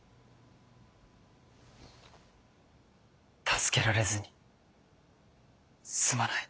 助けられずにすまない。